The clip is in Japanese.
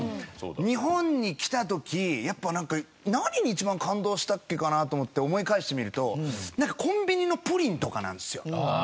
日本に来た時やっぱなんか何に一番感動したっけかなと思って思い返してみるとなんかコンビニのプリンとかなんですよ。ああ。